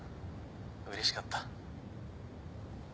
うれしかった。